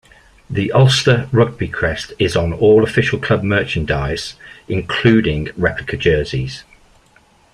The Ulster Rugby crest is on all official club merchandise including replica jerseys.